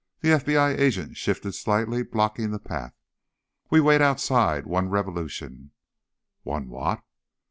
The FBI agent shifted slightly, blocking the path. "We wait outside one revolution—" "One what?"